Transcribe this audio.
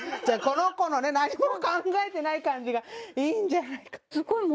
この子のね何も考えてない感じがいいんじゃないか。